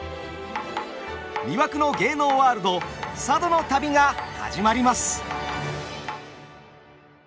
魅惑の芸能ワールド佐渡の旅が始まります。